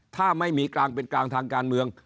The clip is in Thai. ถ้าไม่มีกลางเป็นกลางทางการเมือง